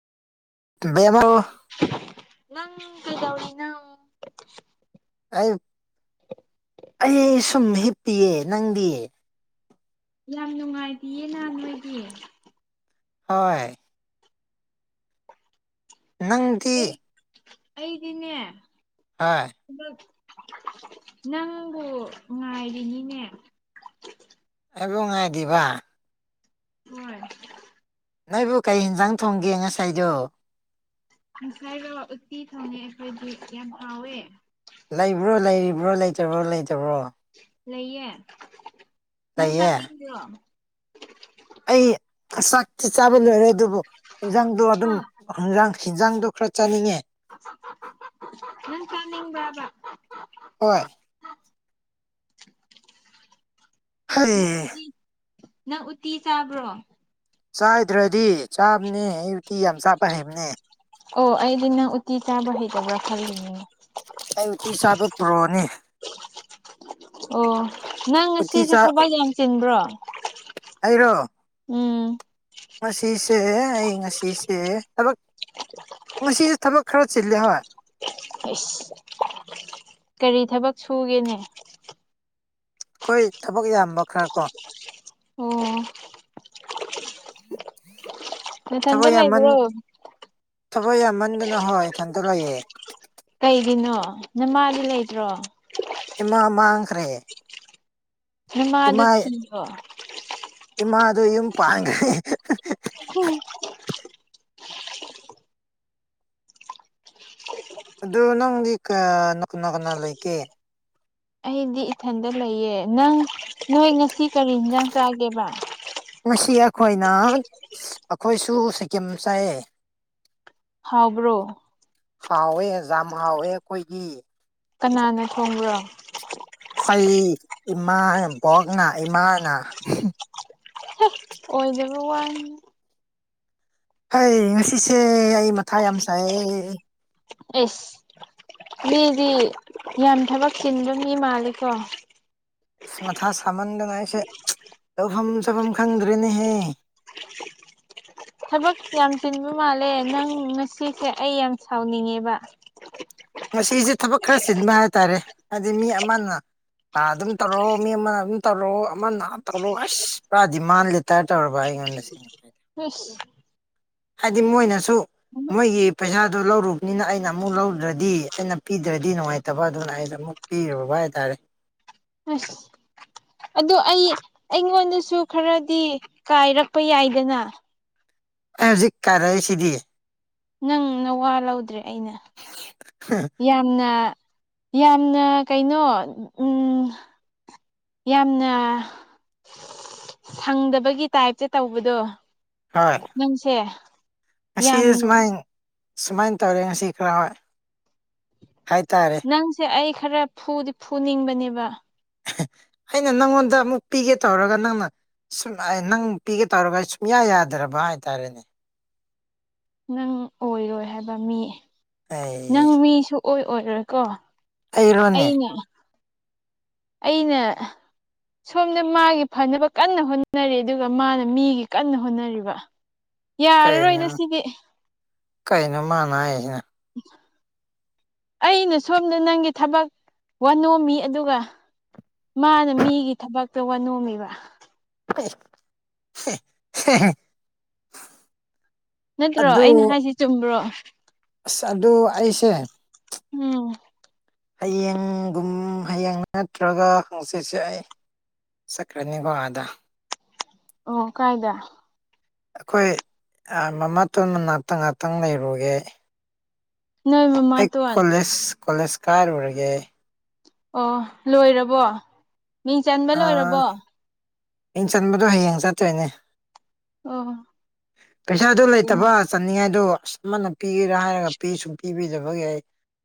[unintelligible] ꯅꯪ ꯀꯩꯗꯧꯔꯤꯅꯣ ꯑꯩ ꯑꯩ ꯁꯨꯝ ꯍꯤꯞꯄꯤꯌꯦ ꯅꯪꯗꯤ ꯌꯥꯝ ꯅꯨꯡꯉꯥꯏꯇꯤꯌꯦꯅ ꯅꯣꯏꯗꯤ ꯍꯣꯏ ꯅꯪ ꯑꯩ ꯑꯩꯗꯤꯅꯦ ꯍꯣꯏ ꯅꯪꯕꯨ ꯉꯥꯏꯔꯤꯅꯤꯅꯦ ꯑꯩꯕꯨ ꯉꯥꯏꯗꯤꯕ ꯍꯣꯏ ꯅꯣꯏꯕꯨ ꯀꯩ ꯌꯦꯟꯖꯥꯡ ꯊꯣꯡꯒꯦ ꯉꯁꯥꯏꯗꯣ ꯉꯁꯥꯏꯔꯣ ꯎꯠꯇꯤ ꯊꯣꯡꯉꯦ ꯑꯩꯈꯣꯏꯗꯤ ꯌꯥꯝ ꯍꯥꯎꯋꯦ ꯂꯩꯕ꯭ꯔꯣ ꯂꯩꯔꯤꯕ꯭ꯔꯣ ꯂꯩꯇꯕ꯭ꯔꯣ ꯂꯩꯇꯕ꯭ꯔꯣ ꯂꯩꯌꯦ ꯅꯪ ꯂꯩꯌꯦ ꯆꯥꯅꯤꯡꯕ꯭ꯔꯣ ꯑꯩ ꯆꯥꯛꯇꯤ ꯆꯥꯕ ꯂꯣꯏꯔꯦ ꯑꯗꯨꯕꯨ ꯌꯦꯟꯖꯥꯡꯗꯣ ꯑꯗꯨꯝ ꯍꯦꯟꯖꯥꯡ ꯍꯤꯟꯖꯥꯡꯗꯣ ꯈꯔ ꯆꯥꯅꯤꯡꯉꯦ ꯅꯪ ꯆꯥꯅꯤꯡꯕꯔ꯭ꯕꯕꯥ ꯍꯣꯏ [unintelligible] ꯍꯩ ꯎꯇꯤ ꯅꯪ ꯎꯇꯤ ꯆꯥꯕ꯭ꯔꯣ ꯆꯥꯏꯗ꯭ꯔꯗꯤ ꯆꯥꯕꯅꯦ ꯎꯇꯤ ꯌꯥꯝ ꯆꯥꯕ ꯍꯩꯕꯅꯦ ꯑꯣ ꯑꯩꯗꯤ ꯅꯪ ꯎꯇꯤ ꯆꯥꯕ ꯍꯩꯇꯕ꯭ꯔꯥ ꯈꯜꯂꯤꯅꯦ ꯑꯩ ꯎꯇꯤ ꯆꯥꯕ ꯄꯔꯣꯅꯦ ꯑꯣ ꯅꯪ ꯎꯇꯤ ꯉꯁꯤꯁꯦ ꯆꯥ ꯊꯕꯛ ꯌꯥꯝ ꯆꯤꯟꯕ꯭ꯔꯣ ꯑꯩꯔꯣ ꯎꯝ ꯉꯁꯤꯁꯦ ꯑꯩ ꯉꯁꯤꯁꯦ ꯊꯕꯛ ꯉꯁꯤꯁꯦ ꯊꯕꯛ ꯈꯔ ꯆꯤꯜꯂꯦ ꯍꯣꯏ ꯑꯁ ꯀꯔꯤ ꯊꯕꯛ ꯁꯨꯒꯦꯅꯦ ꯈꯣꯏ ꯊꯕꯛ ꯌꯥꯝꯕ ꯈꯔ ꯀꯣ ꯑꯣ ꯊꯕꯛ ꯅꯊꯟꯇ ꯌꯥꯝꯃꯟ ꯂꯩꯕ꯭ꯔꯣ ꯊꯕꯛ ꯌꯥꯝꯃꯟꯗꯅ ꯍꯣꯏ ꯏꯊꯟꯇ ꯂꯩꯌꯦ ꯀꯩꯒꯤꯅꯣ ꯅꯃꯥꯗꯤ ꯂꯩꯇ꯭ꯔꯣ ꯏꯃꯥ ꯃꯥꯡꯈ꯭ꯔꯦ ꯅꯃꯗꯨ ꯊꯤꯌꯣ ꯏꯃꯥꯗ ꯌꯨꯝ ꯄꯥꯟꯈ꯭ꯔꯦ [unintelligible] ꯑꯗꯨ ꯅꯪꯗꯤ ꯀ ꯀꯅꯥ ꯀꯅꯥ ꯂꯩꯀꯦ ꯑꯩꯗꯤ ꯏꯊꯟꯗ ꯂꯩꯌꯦ ꯅꯪ ꯅꯣꯏ ꯉꯁꯤ ꯀꯔꯤ ꯌꯦꯟꯖꯥꯡ ꯆꯥꯒꯦꯕ ꯉꯁꯤ ꯑꯩꯈꯣꯏꯅ ꯑꯩꯈꯣꯏꯁꯨ ꯁꯤꯀꯤꯝ ꯆꯥꯏꯌꯦ ꯍꯥꯎꯕ꯭ꯔꯣ ꯍꯥꯎꯋꯦ ꯌꯥꯝ ꯍꯥꯎꯋꯦ ꯑꯩꯈꯣꯏꯒꯤ ꯀꯅꯥꯅꯣ ꯊꯣꯡꯕ꯭ꯔꯣ ꯑꯩꯩ ꯏꯃꯥ ꯕꯣꯛꯅ ꯏꯃꯥꯅ ꯑꯣꯏꯣꯏꯖꯕ ꯋꯥꯟ ꯍꯩ ꯉꯁꯤꯁꯦ ꯑꯩ ꯃꯊꯥ ꯌꯥꯝ ꯁꯥꯏꯌꯦ ꯑꯦꯁ ꯃꯤꯗꯤ ꯌꯥꯝ ꯊꯕꯛ ꯁꯤꯟꯗꯨꯝ ꯏ ꯃꯥꯜꯂꯦꯀꯣ ꯃꯊꯥ ꯁꯥꯃꯟꯗꯅ ꯑꯩꯁꯦ ꯇꯧꯐꯝ ꯆꯥꯐꯝ ꯈꯪꯗ꯭ꯔꯦꯅꯦꯍꯦ ꯊꯕꯛ ꯌꯥꯝ ꯆꯤꯟꯕ ꯃꯥꯜꯂꯦ ꯅꯪ ꯉꯁꯤꯁꯦ ꯑꯩ ꯌꯥꯝ ꯁꯥꯎꯅꯤꯡꯉꯦꯕ ꯉꯁꯤꯁꯦ ꯊꯕꯛ ꯈꯔ ꯆꯤꯟꯕ ꯍꯥꯏꯇꯥꯔꯦ ꯍꯥꯏꯗꯤ ꯃꯤ ꯑꯃꯅ ꯑ ꯑꯗꯨꯝ ꯇꯧꯔꯑꯣ ꯃꯤ ꯑꯃꯅ ꯑꯗꯨꯝ ꯇꯧꯔꯑꯣ ꯑꯃꯅ ꯇꯧꯔꯣ ꯑꯁ ꯄꯨꯔꯥꯗꯤ ꯃꯥꯥꯟꯂꯦ ꯇꯦꯇꯔ ꯥꯏ ꯉ ꯁꯤ ꯍꯨꯁ ꯍꯥꯏꯗꯤ ꯃꯣꯏꯅꯁꯨ ꯃꯣꯏꯒꯤ ꯄꯩꯁꯥꯗꯨꯣ ꯂꯧꯔꯨꯕꯅꯤꯅ ꯑꯩꯅ ꯑꯃꯨꯛ ꯂꯧꯗ꯭ꯔꯗꯤ ꯑꯩꯅ ꯄꯤꯗ꯭ꯔꯗꯤ ꯅꯨꯡꯉꯥꯏꯇꯕ ꯑꯗꯨꯅ ꯑꯩꯁꯨ ꯑꯃꯨꯛ ꯄꯤꯔꯕꯕꯕꯥꯚꯇꯥꯥꯔꯦ ꯑꯗꯣ ꯑꯩ ꯑꯩꯉꯣꯟꯗꯁꯨ ꯈꯔꯗꯤ ꯀꯥꯏꯔꯛꯄ ꯌꯥꯏꯗꯅ ꯑꯩ ꯍꯧꯖꯤꯛ ꯀꯥꯏꯔꯛꯏꯁꯤꯗꯤ ꯅꯪ ꯅ ꯋꯥ ꯂꯧꯗ꯭ꯔꯦ ꯑꯩꯅ ꯌꯥ ꯌꯥꯝꯅ ꯀꯩꯅꯣ ꯎꯝ ꯌꯥꯝꯅ ꯁꯪꯗꯕꯒꯤ ꯇꯥꯏꯞꯇ ꯇꯧꯕꯗꯣ ꯍꯥ ꯅꯪꯁꯦ ꯉꯁꯤꯁꯦ ꯌꯥꯝ ꯁꯨꯃꯥꯏ ꯁꯨꯃꯥꯏꯅ ꯇꯧꯔꯦ ꯉꯁꯤ ꯈꯔ ꯍꯥꯏꯇꯥꯔꯦ ꯅꯪꯁꯦ ꯑꯩ ꯈꯔ ꯐꯨꯅꯤꯡꯕꯅꯦꯕ ꯑꯩꯅ ꯅꯪꯉꯣꯟꯗ ꯑꯃꯨꯛ ꯄꯤꯒꯦ ꯇꯧꯔꯒ ꯅꯪꯅ ꯁꯨꯝ ꯅꯪ ꯄꯤꯒꯦ ꯇꯧꯔꯒ ꯑꯩ ꯁꯨꯡꯌꯥ ꯌꯥꯗ꯭ꯔꯕ ꯍꯥꯏꯇꯥꯔꯦꯅꯦ ꯅꯪ ꯑꯣꯏꯔꯣꯏ ꯍꯥꯏꯕ ꯃꯤ ꯅꯪ ꯑꯩ ꯃꯤꯁꯨ ꯑꯣꯏ ꯑꯣꯏꯔꯣꯏꯀꯣ ꯑꯩꯔꯣꯅꯦ ꯑꯩꯅ ꯑꯩꯅ ꯁꯣꯝꯅ ꯃꯥꯒꯤ ꯐꯅꯕ ꯀꯟꯅ ꯍꯣꯠꯅꯔꯤ ꯑꯗꯨꯒ ꯃꯥꯅ ꯃꯤꯒꯤ ꯀꯟꯅ ꯍꯣꯠꯅꯔꯤꯕ ꯀꯩꯅ ꯌꯥꯔꯔꯣꯏꯗ ꯁꯤꯗꯤ ꯀꯩꯅꯩꯅꯣ ꯃꯅ ꯍꯥꯏꯅ ꯑꯩꯅ ꯁꯣꯝꯗ ꯅꯪꯒꯤ ꯊꯕꯛ ꯋꯥ ꯅꯣꯝꯃꯤ ꯑꯗꯨꯒ ꯃꯥꯅ ꯃꯤꯒꯤ ꯊꯕꯛꯇ ꯋꯥ ꯅꯣꯝꯃꯤꯕ [unintelligible] ꯅꯠꯇ꯭ꯔꯣ ꯑꯗꯨ ꯑꯩꯅ ꯍꯥꯏꯁꯤ ꯆꯨꯝꯕ꯭ꯔꯣ ꯑꯁ ꯑꯗꯨ ꯑꯩꯁꯦ ꯎꯝ ꯍꯌꯦꯡꯒꯨꯝ ꯍꯌꯦꯡ ꯅꯠꯇ꯭ꯔꯒ ꯍꯪꯆꯤꯠꯁꯦ ꯑꯩ ꯁꯀ꯭ꯔꯅꯤꯒꯣ ꯑꯗ ꯑꯣ ꯀꯥꯏꯗ ꯑꯩꯈꯣꯏ ꯃꯃꯥꯇꯣꯟꯕ ꯉꯍꯥꯛꯇꯪ ꯉꯍꯥꯛꯇꯪ ꯂꯩꯔꯨꯒꯦ ꯅꯣꯏ ꯑꯩ ꯃꯃꯥꯇꯣꯟ ꯀꯣꯂꯦꯖ ꯀꯣꯂꯦꯖ ꯀꯥꯔꯨꯔꯒꯦ ꯑꯣ ꯂꯣꯏꯔꯕꯣ ꯃꯤꯡ ꯆꯟꯕ ꯂꯣꯏꯔꯕꯣ ꯑꯥ ꯏꯟ ꯆꯟꯕꯗꯣ ꯍꯌꯦꯡ ꯆꯠꯇꯣꯏꯅꯦ ꯑꯣ ꯄꯩꯁꯥꯗꯨ ꯐꯩꯅꯦ ꯂꯩꯇꯕ ꯆꯠꯅꯤꯡꯉꯥꯏꯗꯣ ꯑꯃꯅ ꯄꯤꯒꯦꯔꯥ ꯍꯥꯏꯔꯒ ꯄꯤ ꯁꯨꯝ ꯄꯤꯕꯤꯗꯕꯒꯤ ꯑꯩ